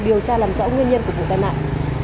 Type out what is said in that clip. điều tra làm rõ nguyên nhân của vụ tai nạn